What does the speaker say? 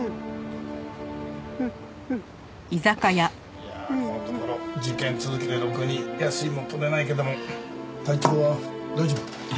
いやあこのところ事件続きでろくに休みも取れないけども体調は大丈夫？